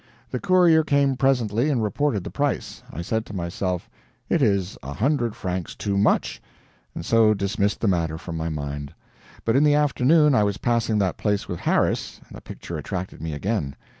The courier came presently and reported the price. I said to myself, "It is a hundred francs too much," and so dismissed the matter from my mind. But in the afternoon I was passing that place with Harris, and the picture attracted me again.